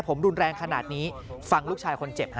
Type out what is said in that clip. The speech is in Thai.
ผมรุนแรงขนาดนี้ฟังลูกชายคนเจ็บฮะ